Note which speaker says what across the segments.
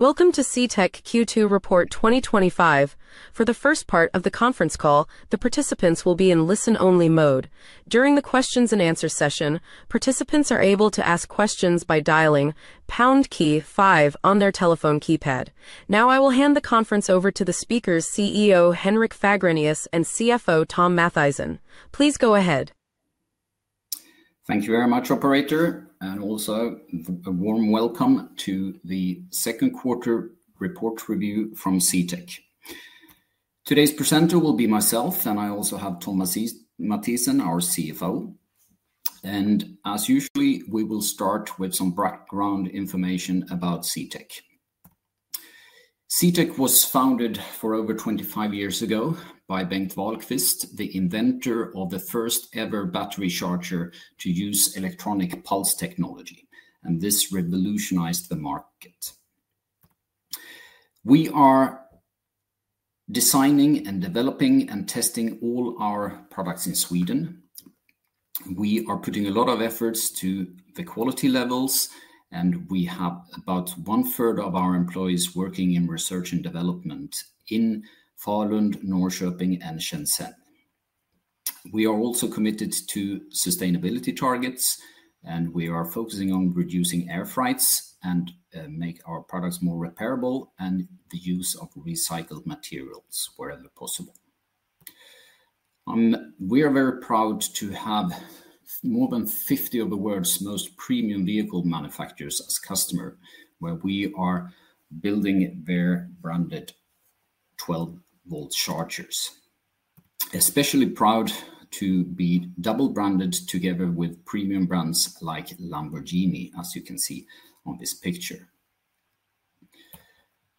Speaker 1: Welcome to CTEK Q2 report 2025. For the first part of the conference call, the participants will be in listen-only mode. During the questions and answers session, participants are able to ask questions by dialing pound key five on their telephone keypad. Now, I will hand the conference over to the speakers, CEO Henrik Fagerlius and CFO Tom Mathisen. Please go ahead.
Speaker 2: Thank you very much, operator, and also a warm welcome to the second quarter report review from CTEK. Today's presenter will be myself, and I also have Thom Mathisen, our CFO. As usual, we will start with some background information about CTEK. CTEK was founded over 25 years ago by Bengt Wahlqvist, the inventor of the first ever battery charger to use electronic pulse technology, and this revolutionized the market. We are designing, developing, and testing all our products in Sweden. We are putting a lot of effort into the quality levels, and we have about one third of our employees working in research and development in Falun, Norrköping, and Skansen. We are also committed to sustainability targets, and we are focusing on reducing air freights and making our products more repairable and the use of recycled materials wherever possible. We are very proud to have more than 50 of the world's most premium vehicle manufacturers as customers, where we are building their branded 12 V chargers. Especially proud to be double-branded together with premium brands like Lamborghini, as you can see on this picture.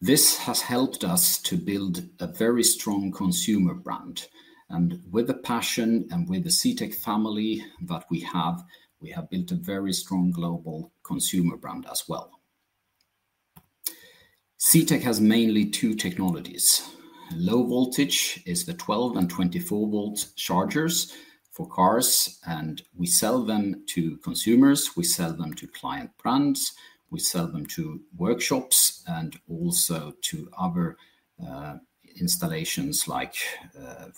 Speaker 2: This has helped us to build a very strong consumer brand, and with the passion and with the CTEK family that we have, we have built a very strong global consumer brand as well. CTEK has mainly two technologies: low voltage is the 12 V and 24 V chargers for cars, and we sell them to consumers, we sell them to client brands, we sell them to workshops, and also to other installations like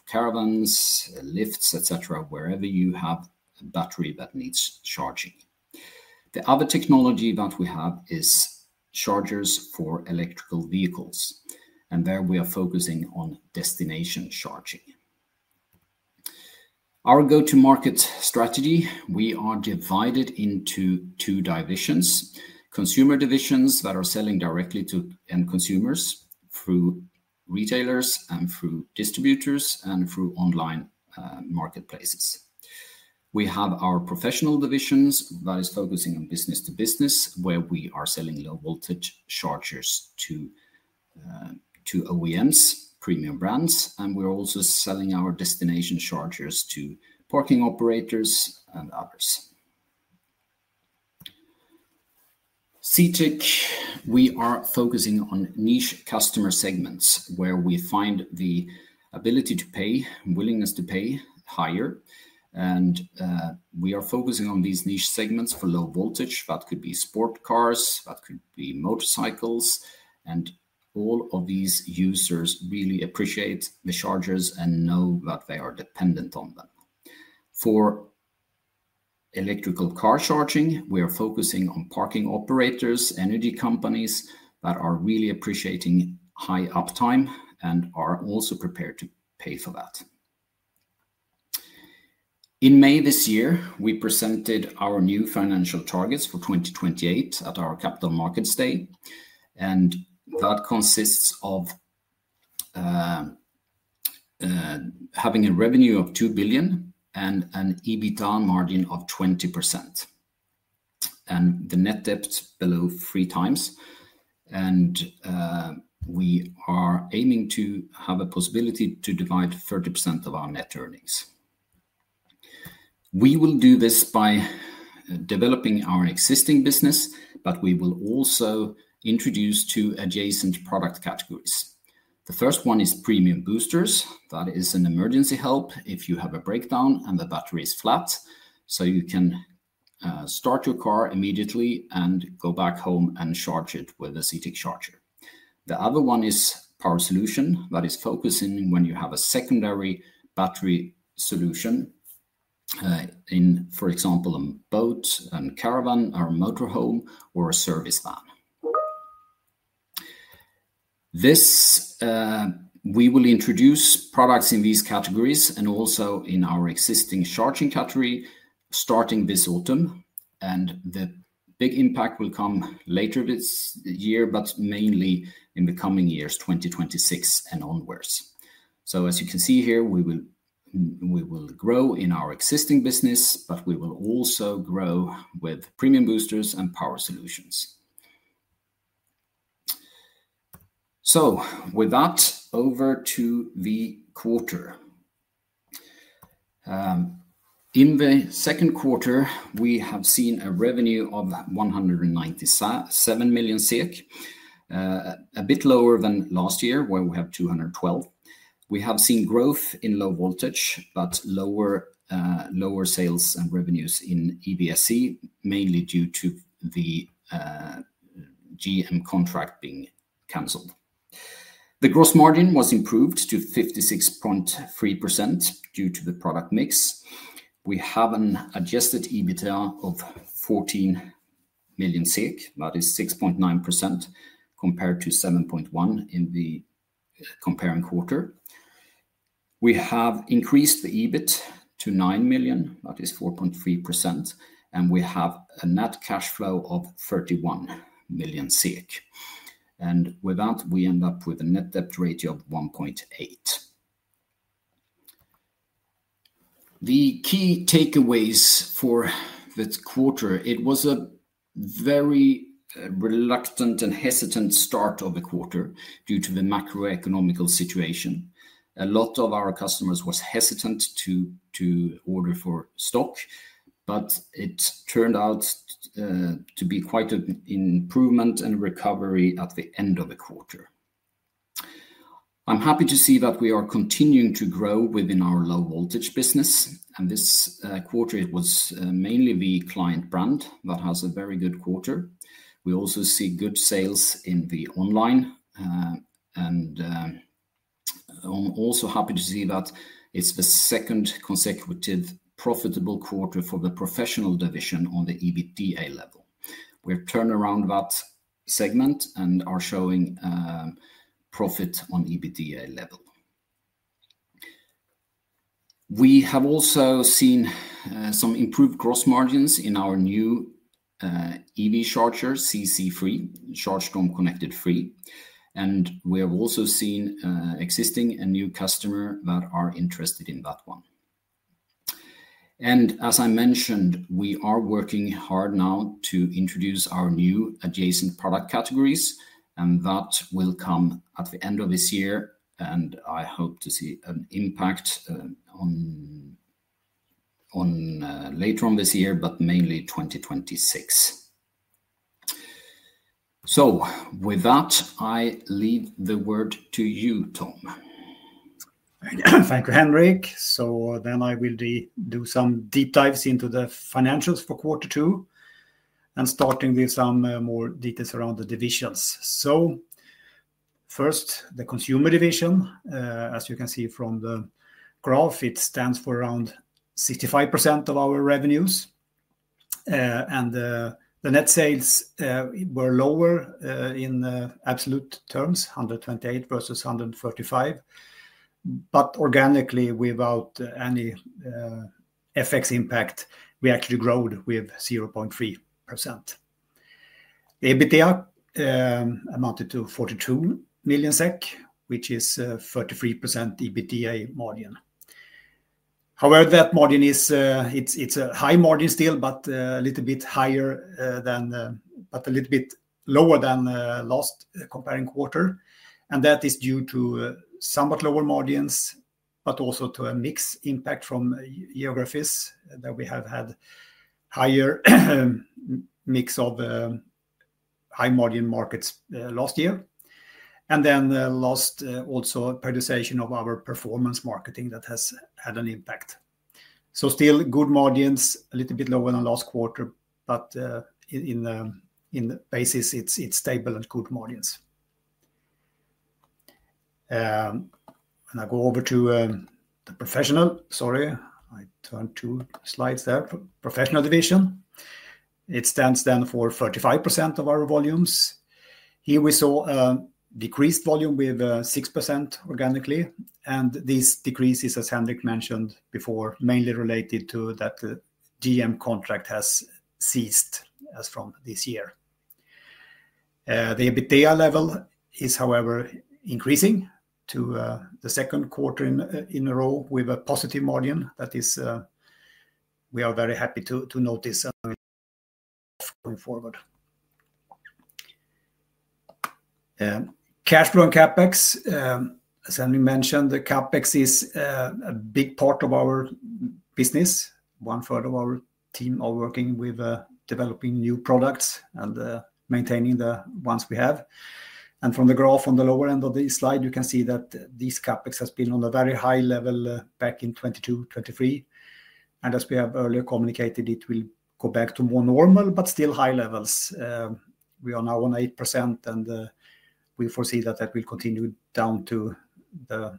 Speaker 2: caravans, lifts, etc., wherever you have a battery that needs charging. The other technology that we have is chargers for electric vehicles, and there we are focusing on destination charging. Our go-to-market strategy, we are divided into two divisions: consumer divisions that are selling directly to end consumers through retailers and through distributors and through online marketplaces. We have our professional divisions that are focusing on business to business, where we are selling low voltage chargers to OEMs, premium brands, and we're also selling our destination chargers to parking operators and others. CTEK, we are focusing on niche customer segments where we find the ability to pay, willingness to pay higher, and we are focusing on these niche segments for low voltage. That could be sports cars, that could be motorcycles, and all of these users really appreciate the chargers and know that they are dependent on them. For electrical car charging, we are focusing on parking operators, energy companies that are really appreciating high uptime and are also prepared to pay for that. In May this year, we presented our new financial targets for 2028 at our Capital Markets Day, and that consists of having a revenue of 2 billion and an EBITDA margin of 20%, and the net debt below 3x, and we are aiming to have a possibility to divide 30% of our net earnings. We will do this by developing our existing business, but we will also introduce two adjacent product categories. The first one is premium boosters. That is an emergency help if you have a breakdown and the battery is flat, so you can start your car immediately and go back home and charge it with a CTEK charger. The other one is power solutions. That is focusing when you have a secondary battery solution in, for example, a boat, a caravan, a motorhome, or a service van. We will introduce products in these categories and also in our existing charging category starting this autumn, and the big impact will come later this year, but mainly in the coming years, 2026 and onwards. As you can see here, we will grow in our existing business, but we will also grow with premium boosters and power solutions. With that, over to the quarter. In the second quarter, we have seen a revenue of 197 million, a bit lower than last year where we have 212 million. We have seen growth in low voltage, but lower sales and revenues in EVSE, mainly due to the General Motors contract being canceled. The gross margin was improved to 56.3% due to the product mix. We have an adjusted EBITDA of 14 million SEK, that is 6.9% compared to 7.1% in the comparing quarter. We have increased the EBIT to 9 million, that is 4.3%, and we have a net cash flow of 31 million SEK. With that, we end up with a net debt rate of 1.8. The key takeaways for this quarter, it was a very reluctant and hesitant start of the quarter due to the macroeconomical situation. A lot of our customers were hesitant to order for stock, but it turned out to be quite an improvement and recovery at the end of the quarter. I'm happy to see that we are continuing to grow within our low voltage business, and this quarter it was mainly the client brand that has a very good quarter. We also see good sales in the online, and I'm also happy to see that it's the second consecutive profitable quarter for the professional division on the EBITDA level. We've turned around that segment and are showing profit on EBITDA level. We have also seen some improved gross margins in our new EV charger, CHARGESTORM CONNECTED 3, and we have also seen existing and new customers that are interested in that one. As I mentioned, we are working hard now to introduce our new adjacent product categories, and that will come at the end of this year. I hope to see an impact later on this year, but mainly 2026. With that, I leave the word to you, Thom.
Speaker 3: Thank you, Henrik. I will do some deep dives into the financials for quarter two, starting with some more details around the divisions. First, the Consumer division, as you can see from the graph, it stands for around 65% of our revenues, and the net sales were lower in absolute terms, 128 versus 135, but organically, without any FX impact, we actually grow with 0.3%. The EBITDA amounted to 42 million SEK, which is a 33% EBITDA margin. However, that margin is, it's a high margin still, but a little bit lower than last comparing quarter, and that is due to somewhat lower margins, but also to a mixed impact from geographies that we have had a higher mix of high margin markets last year. Last, also a reduction of our performance marketing that has had an impact. Still good margins, a little bit lower than last quarter, but in the basis, it's stable and good margins. I go over to the Professional, sorry, I turned two slides there, Professional division. It stands then for 35% of our volumes. Here we saw a decreased volume with 6% organically, and this decrease is, as Henrik mentioned before, mainly related to that the GM contract has ceased as from this year. The EBITDA level is, however, increasing to the second quarter in a row with a positive margin that is, we are very happy to notice going forward. Cash flow and CapEx, as Henrik mentioned, the CapEx is a big part of our business. One third of our team are working with developing new products and maintaining the ones we have. From the graph on the lower end of the slide, you can see that this CapEx has been on a very high level back in 2022-2023, and as we have earlier communicated, it will go back to more normal, but still high levels. We are now on 8%, and we foresee that that will continue down to the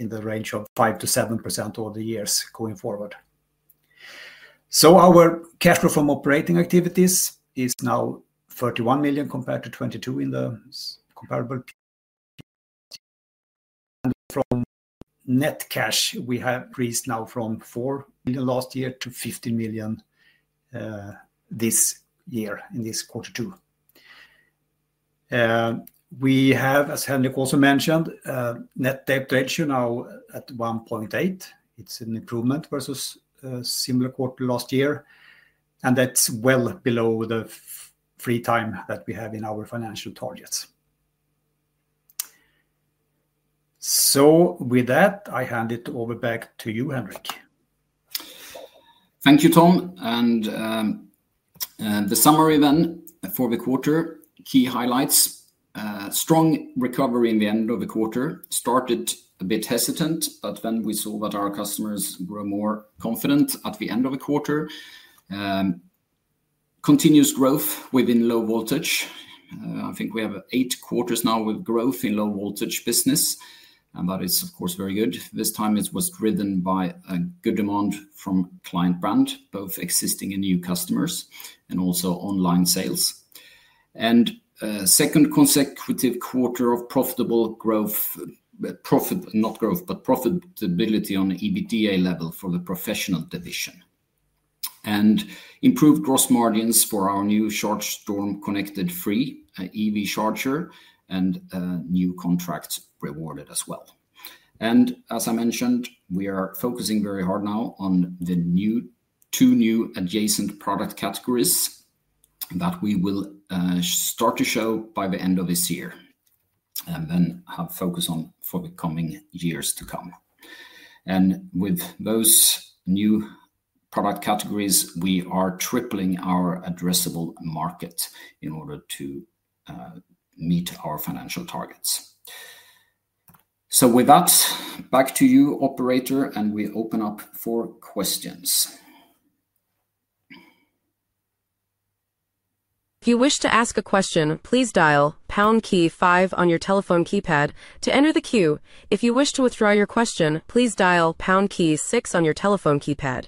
Speaker 3: range of 5%-7% over the years going forward. Our cash flow from operating activities is now 31 million compared to 2022 in the comparable. From net cash, we have increased now from 4 million last year to 15 million this year, in this quarter two. We have, as Henrik also mentioned, net debt ratio now at 1.8. It's an improvement versus a similar quarter last year, and that's well below the 3x that we have in our financial targets. With that, I hand it over back to you, Henrik.
Speaker 2: Thank you, Thom. The summary then for the quarter, key highlights: strong recovery in the end of the quarter, started a bit hesitant, but then we saw that our customers were more confident at the end of the quarter. Continuous growth within low voltage. I think we have eight quarters now with growth in low voltage business, and that is, of course, very good. This time, it was driven by a good demand from client brand, both existing and new customers, and also online sales. A second consecutive quarter of profitable growth, profit, not growth, but profitability on the EBITDA level for the professional division. Improved gross margins for our new CHARGESTORM CONNECTED 3 EV charger and new contract rewarded as well. As I mentioned, we are focusing very hard now on the two new adjacent product categories that we will start to show by the end of this year and then have focus on for the coming years to come. With those new product categories, we are tripling our addressable market in order to meet our financial targets. With that, back to you, operator, and we open up for questions.
Speaker 1: If you wish to ask a question, please dial pound key five on your telephone keypad to enter the queue. If you wish to withdraw your question, please dial pound key six on your telephone keypad.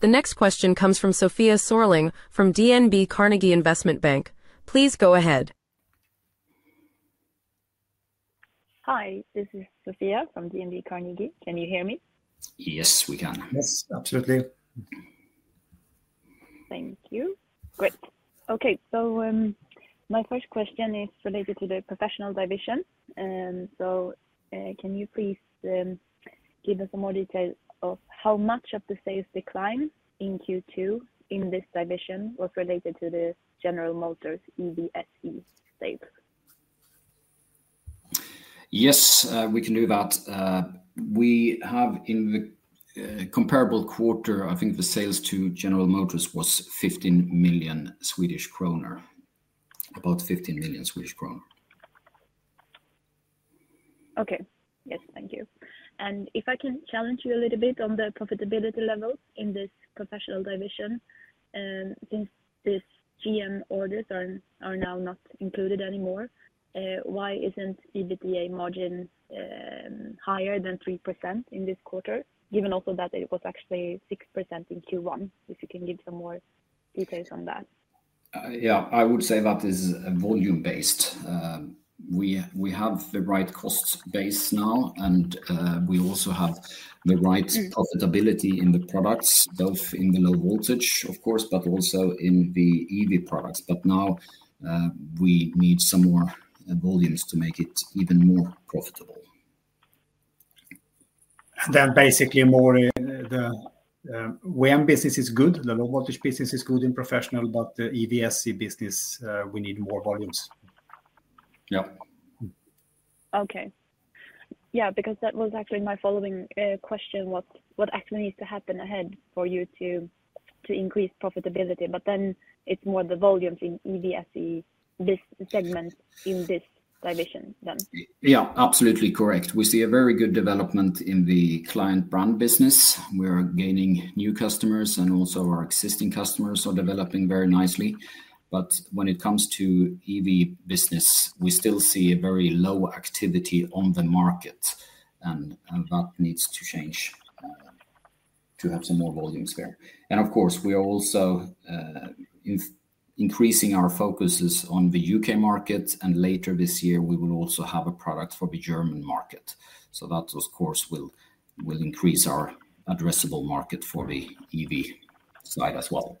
Speaker 1: The next question comes from Sofia Sörling from DNB Carnegie Investment Bank. Please go ahead.
Speaker 4: Hi, this is Sofia from DNB Carnegie. Can you hear me?
Speaker 2: Yes, we can.
Speaker 3: Yes, absolutely.
Speaker 4: Thank you. Great. Okay, my first question is related to the Professional division. Can you please give us some more details of how much of the sales decline in Q2 in this division was related to the General Motors EVSE?
Speaker 2: Yes, we can do that. We have in the comparable quarter, I think the sales to General Motors was 15 million Swedish kronor, about 15 million Swedish kronor.
Speaker 4: Okay, yes, thank you. If I can challenge you a little bit on the profitability level in this professional division, since these GM orders are now not included anymore, why isn't EBITDA margin higher than 3% in this quarter, given also that it was actually 6% in Q1? If you can give some more details on that.
Speaker 2: Yeah, I would say that is volume-based. We have the right cost base now, and we also have the right profitability in the products, both in the low voltage, of course, but also in the EV products. We need some more volumes to make it even more profitable.
Speaker 3: Basically, the WAM business is good, the low voltage business is good in professional, but the EVSE business, we need more volumes.
Speaker 4: Okay. Yeah, because that was actually my following question, what actually needs to happen ahead for you to increase profitability? It's more the volumes in EVSE, this segment in this division then.
Speaker 2: Yeah, absolutely correct. We see a very good development in the client brand business. We are gaining new customers, and also our existing customers are developing very nicely. When it comes to EV business, we still see a very low activity on the market, and that needs to change to have some more volumes there. Of course, we are also increasing our focuses on the U.K. market, and later this year, we will also have a product for the German market. That, of course, will increase our addressable market for the EV side as well.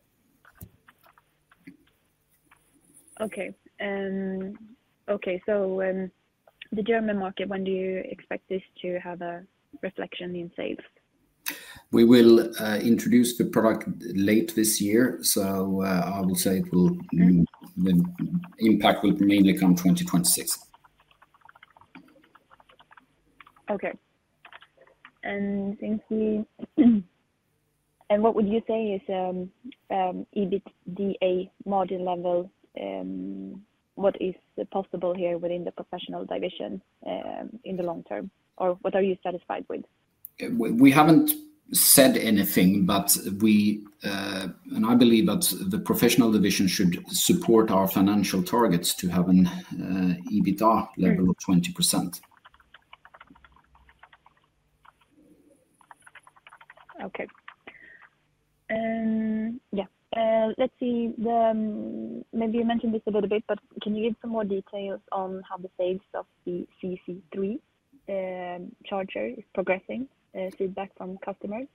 Speaker 4: Okay, so the German market, when do you expect this to have a reflection in sales?
Speaker 2: We will introduce the product late this year, so I will say the impact will mainly come 2026.
Speaker 4: Okay. What would you say is EBITDA margin level? What is possible here within the professional division in the long-term, or what are you satisfied with?
Speaker 2: We haven't said anything, but we, and I believe that the Professional division should support our financial targets to have an EBITDA level of 20%.
Speaker 4: Okay. Yeah, let's see. Maybe you mentioned this a little bit, but can you give some more details on how the sales of the CC3 charger is progressing, feedback from customers?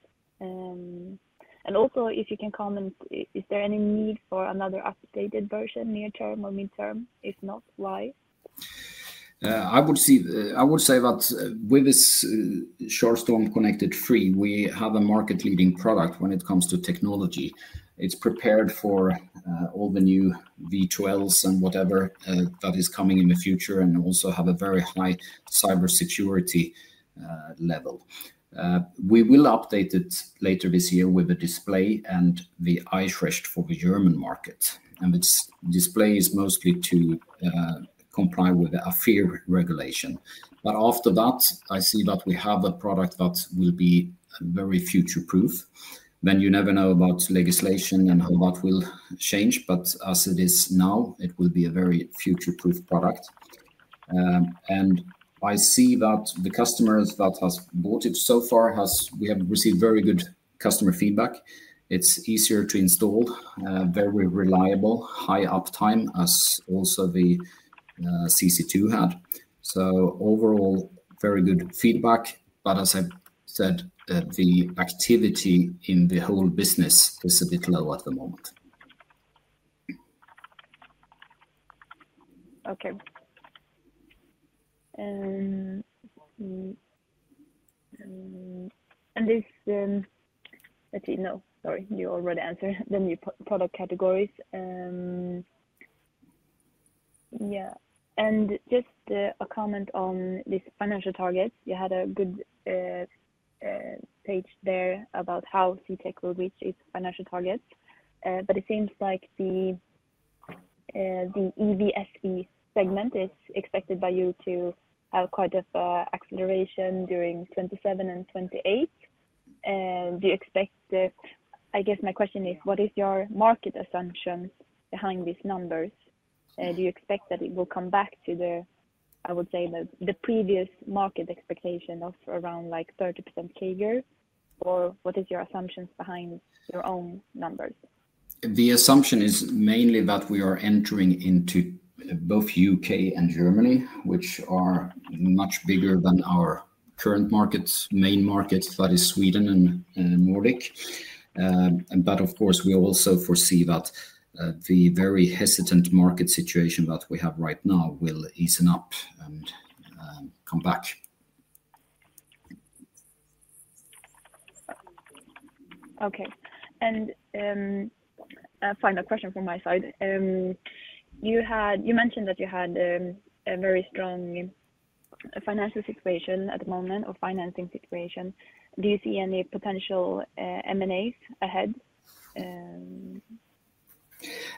Speaker 4: Also, if you can comment, is there any need for another updated version near-term or mid-term? If not, why?
Speaker 2: I would say that with this CHARGESTORM CONNECTED 3, we have a market-leading product when it comes to technology. It's prepared for all the new V12s and whatever that is coming in the future, and also has a very high cybersecurity level. We will update it later this year with a display and the [iFresh] for the German market. This display is mostly to comply with the AFIR regulation. After that, I see that we have a product that will be very future-proof. You never know about legislation and how that will change, but as it is now, it will be a very future-proof product. I see that the customers that have bought it so far, we have received very good customer feedback. It's easier to install, very reliable, high uptime, as also the CC2 had. Overall, very good feedback, but as I said, the activity in the whole business is a bit low at the moment.
Speaker 4: Okay. Sorry, you already answered the new product categories. Just a comment on these financial targets. You had a good page there about how CTEK will reach its financial targets, but it seems like the EVSE segment is expected by you to have quite an acceleration during 2027 and 2028. Do you expect, I guess my question is, what is your market assumption behind these numbers? Do you expect that it will come back to the, I would say, the previous market expectation of around like 30% CAGR, or what is your assumptions behind your own numbers?
Speaker 2: The assumption is mainly that we are entering into both U.K. and Germany, which are much bigger than our current markets, main markets, that is Sweden and Nordic. Of course, we also foresee that the very hesitant market situation that we have right now will easen up and come back.
Speaker 4: Okay. A final question from my side. You mentioned that you had a very strong financial situation at the moment, or financing situation. Do you see any potential M&As ahead?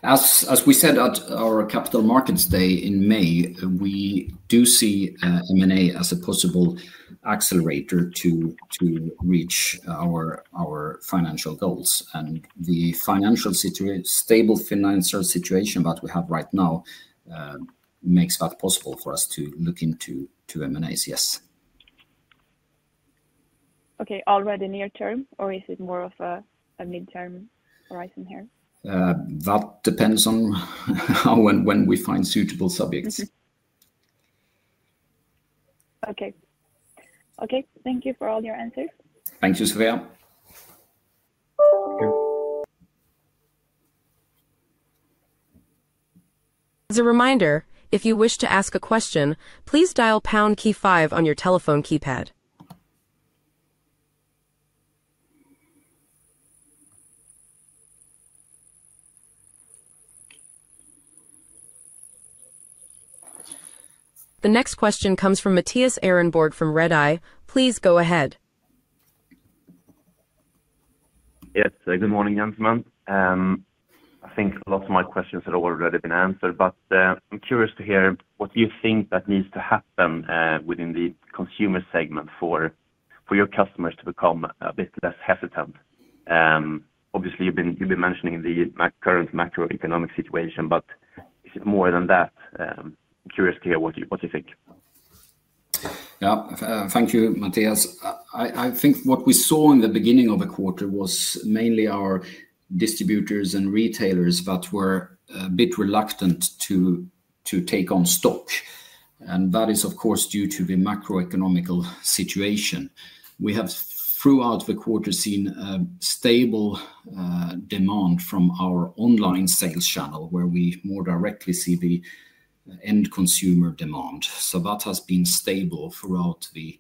Speaker 2: As we said at our Capital Markets Day in May, we do see M&A as a possible accelerator to reach our financial goals. The stable financial situation that we have right now makes that possible for us to look into M&As, yes.
Speaker 4: Okay. Already near-term, or is it more of a mid-term horizon here?
Speaker 2: That depends on how and when we find suitable subjects.
Speaker 4: Okay. Thank you for all your answers.
Speaker 2: Thank you, Sofia.
Speaker 1: As a reminder, if you wish to ask a question, please dial pound key five on your telephone keypad. The next question comes from Mattias Ehrenborg from Redeye. Please go ahead.
Speaker 5: Yes, good morning, gentlemen. I think a lot of my questions had already been answered, but I'm curious to hear what you think needs to happen within the consumer segment for your customers to become a bit less hesitant. Obviously, you've been mentioning the current macroeconomic situation, but is it more than that? I'm curious to hear what you think.
Speaker 2: Thank you, Mattias. I think what we saw in the beginning of the quarter was mainly our distributors and retailers that were a bit reluctant to take on stock. That is, of course, due to the macroeconomic situation. We have, throughout the quarter, seen a stable demand from our online sales channel, where we more directly see the end consumer demand. That has been stable throughout the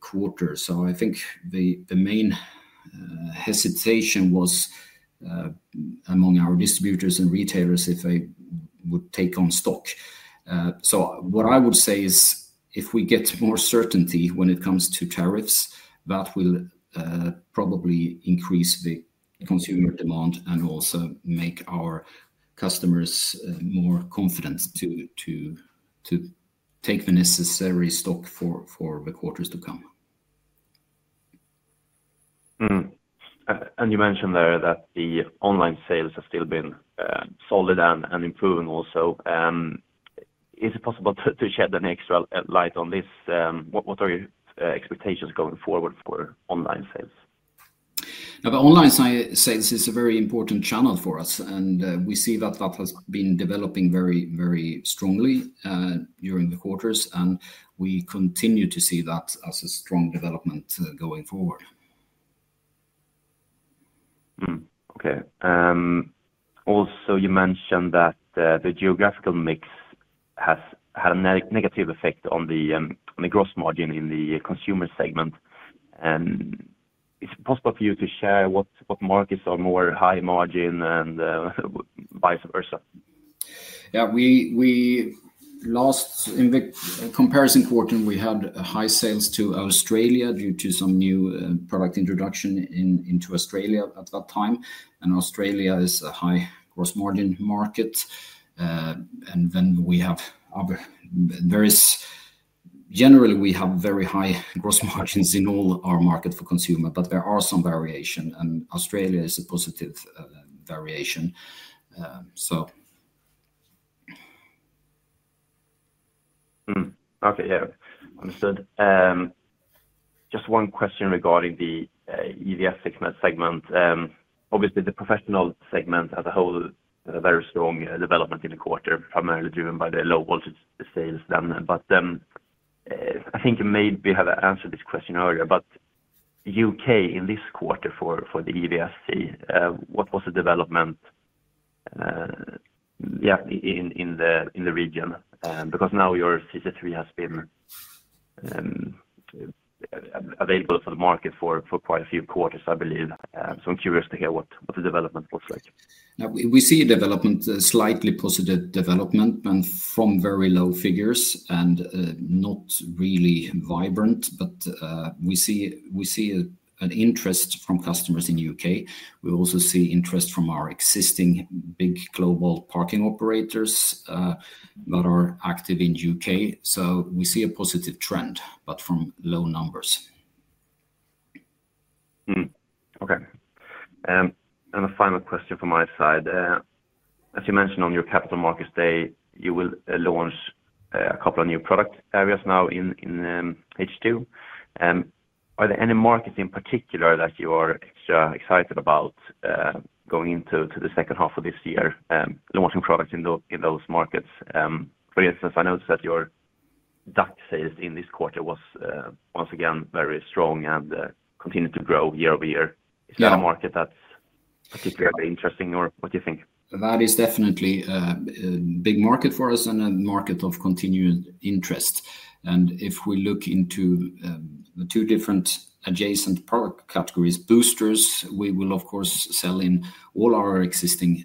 Speaker 2: quarter. I think the main hesitation was among our distributors and retailers if they would take on stock. What I would say is, if we get more certainty when it comes to tariffs, that will probably increase the consumer demand and also make our customers more confident to take the necessary stock for the quarters to come.
Speaker 5: You mentioned there that the online sales have still been solid and improving also. Is it possible to shed an extra light on this? What are your expectations going forward for online sales?
Speaker 2: Online sales is a very important channel for us, and we see that that has been developing very, very strongly during the quarters, and we continue to see that as a strong development going forward.
Speaker 5: Also, you mentioned that the geographical mix has had a negative effect on the gross margin in the consumer segment. Is it possible for you to share what markets are more high margin and vice versa?
Speaker 2: Last comparison quarter, we had high sales to Australia due to some new product introduction into Australia at that time, and Australia is a high gross margin market. Generally, we have very high gross margins in all our markets for consumer, but there are some variations, and Australia is a positive variation.
Speaker 5: Understood. Just one question regarding the EVSE segment. Obviously, the professional segment as a whole, very strong development in the quarter, primarily driven by the low voltage sales. I think maybe you have answered this question earlier, but the U.K. in this quarter for the EVSE, what was the development in the region? Because now your CC3 has been available to the market for quite a few quarters, I believe. I'm curious to hear what the development looks like.
Speaker 2: We see development, slightly positive development, and from very low figures and not really vibrant, but we see an interest from customers in the U.K. We also see interest from our existing big global parking operators that are active in the U.K. We see a positive trend, but from low numbers.
Speaker 5: Okay. The final question from my side. As you mentioned on your Capital Markets Day, you will launch a couple of new product areas now in H2. Are there any markets in particular that you are extra excited about going into the second half of this year, launching products in those markets? For instance, I noticed that your DAC sales in this quarter were once again very strong and continued to grow year-over-year. Is that a market that's particularly interesting, or what do you think?
Speaker 2: That is definitely a big market for us and a market of continued interest. If we look into the two different adjacent product categories, boosters, we will, of course, sell in all our existing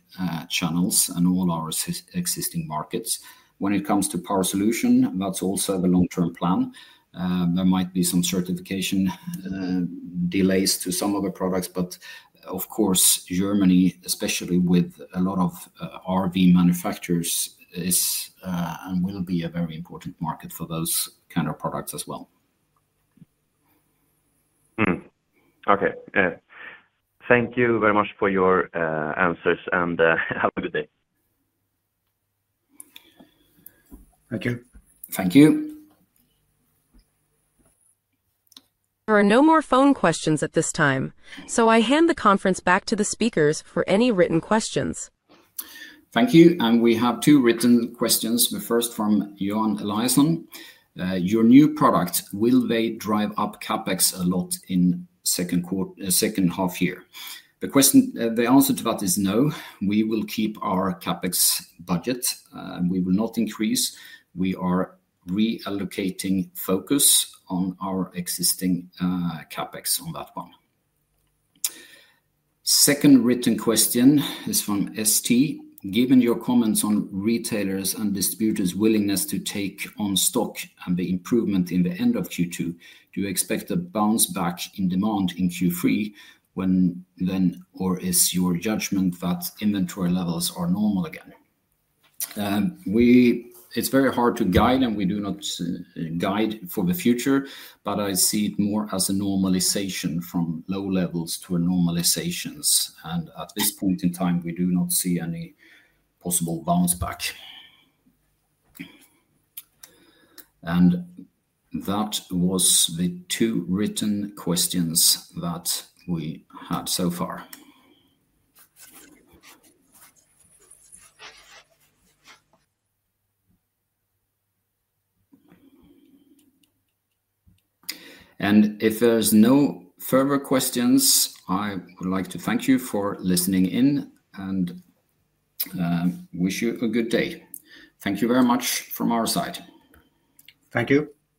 Speaker 2: channels and all our existing markets. When it comes to power solutions, that's also the long-term plan. There might be some certification delays to some other products, but of course, Germany, especially with a lot of RV manufacturers, is and will be a very important market for those kinds of products as well.
Speaker 5: Okay. Thank you very much for your answers and have a good day.
Speaker 3: Thank you.
Speaker 2: Thank you.
Speaker 1: There are no more phone questions at this time, so I hand the conference back to the speakers for any written questions.
Speaker 2: Thank you. We have two written questions. The first from Jon Eliasson: Your new product, will they drive up CapEx a lot in the second half year? The answer to that is no. We will keep our CapEx budget. We will not increase. We are reallocating focus on our existing CapEx on that one. The second written question is from ST: Given your comments on retailers and distributors' willingness to take on stock and the improvement in the end of Q2, do you expect a bounce back in demand in Q3, or is your judgment that inventory levels are normal again? It's very hard to guide, and we do not guide for the future, but I see it more as a normalization from low levels to normalizations. At this point in time, we do not see any possible bounce back. That was the two written questions that we had so far. If there's no further questions, I would like to thank you for listening in and wish you a good day. Thank you very much from our side.
Speaker 3: Thank you.